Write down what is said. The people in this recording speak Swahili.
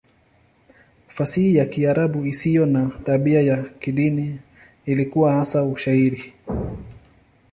Fasihi ya Kiarabu isiyo na tabia ya kidini ilikuwa hasa Ushairi.